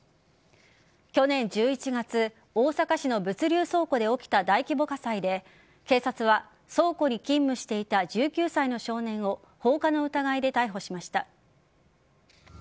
去年１１月大阪市の物流倉庫で起きた大規模火災で警察は倉庫に勤務していた１９歳の少年を放火の疑いで逮捕しました。